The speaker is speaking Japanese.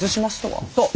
そう。